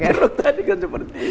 erok tadi kan seperti itu